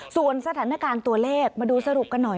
ส่วนสถานการณ์ตัวเลขมาดูสรุปกันหน่อย